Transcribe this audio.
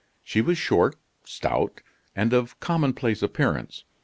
She was short, stout, and of commonplace appearance.